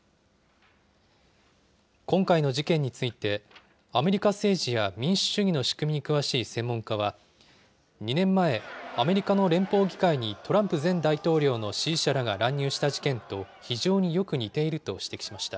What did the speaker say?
今回の事件について、アメリカ政治や民主主義の仕組みに詳しい専門家は、２年前、アメリカの連邦議会にトランプ前大統領の支持者らが乱入した事件と非常によく似ていると指摘しました。